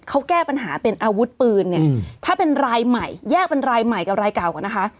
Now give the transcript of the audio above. เขาแก้ปัญหาเป็นอาวุธปืนเนี่ยถ้าเป็นรายใหม่แยกเป็นรายใหม่กับรายเก่าก่อนนะคะ